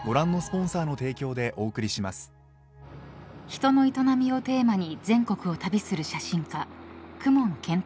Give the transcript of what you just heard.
［人の営みをテーマに全国を旅する］